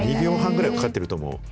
２秒半ぐらいかかっていると思う。